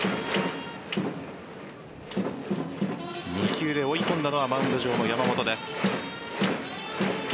２球で追い込んだのはマウンド上の山本です。